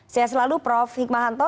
saya selalu prof hikmahanto